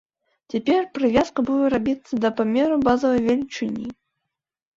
Цяпер прывязка будзе рабіцца да памеру базавай велічыні.